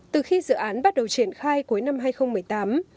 từ khi dự án bắt đầu triển khai cuối năm hai nghìn một mươi tám